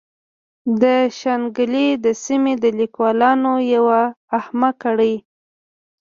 د شانګلې د سيمې د ليکوالانو يوه اهمه کړۍ